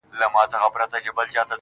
زما په ليدو دي زړگى ولي وارخطا غوندي سي.